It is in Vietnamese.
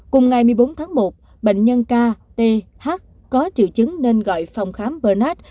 cùng ngày một mươi bốn tháng một bệnh nhân k t h có triệu chứng nên gọi phòng khám bernard